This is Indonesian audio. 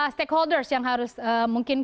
stakeholders yang harus mungkin